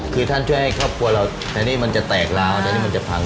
คือท่านช่วยให้ครอบครัวเราอันนี้มันจะแตกลาวแต่นี่มันจะพัง